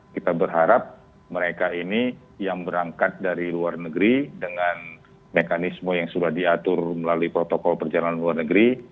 kita berharap mereka ini yang berangkat dari luar negeri dengan mekanisme yang sudah diatur melalui protokol perjalanan luar negeri